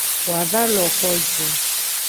Woa va lo ko ju.